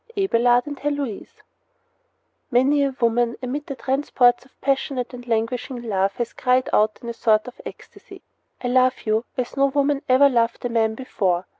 ABELARD AND HELOISE Many a woman, amid the transports of passionate and languishing love, has cried out in a sort of ecstasy: "I love you as no woman ever loved a man before!"